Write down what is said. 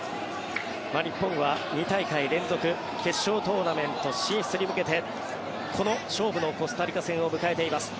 日本は２大会連続決勝トーナメント進出に向けてこの勝負のコスタリカ戦を迎えています。